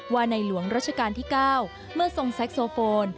ในหลวงรัชกาลที่๙เมื่อทรงแซ็กโซโฟน